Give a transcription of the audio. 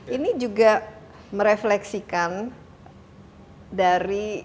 ini juga merefleksikan dari